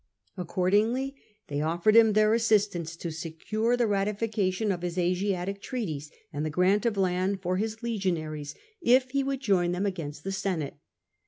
Accordingly they offered him their assistance to secure the ratification of his Asiatic treaties and the grant of land for his legionaries, if he would join them against the Senate.